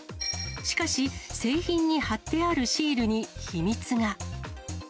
しかし、製品に貼ってあるシールに秘密が。